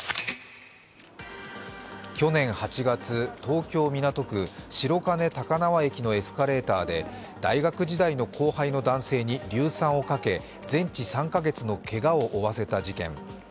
去年８月、東京・港区の白金高輪駅のエスカレーターで大学時代の後輩の男性に硫酸をかけ全治３か月のけがを負わせた事件。